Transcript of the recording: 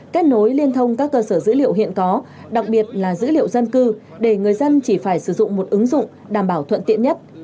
kết nối liên thông các cơ sở dữ liệu hiện có đặc biệt là dữ liệu dân cư để người dân chỉ phải sử dụng một ứng dụng đảm bảo thuận tiện nhất